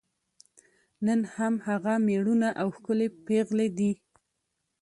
نن هم هغه میړونه او ښکلي پېغلې دي.